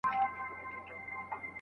انسان باید څو اړخیز مهارتونه ولري.